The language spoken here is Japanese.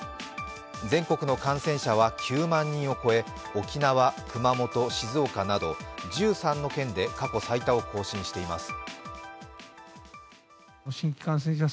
全国の感染者は９万人を超え沖縄、熊本、静岡など１３の県で過去最多を更新しています。